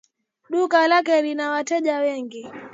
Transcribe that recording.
Duka lake lina wateja wengi